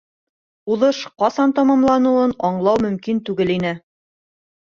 Уҙыш ҡасан тамамланырын аңлау мөмкин түгел ине.